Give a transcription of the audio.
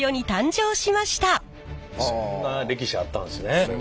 そんな歴史あったんすね。